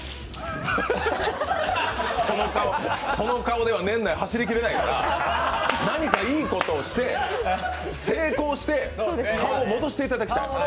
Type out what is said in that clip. その顔では年内走りきれないから、何かいいことをして、成功して顔を戻していただきたい。